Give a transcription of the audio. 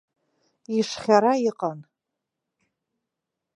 Ишхьара иҟан.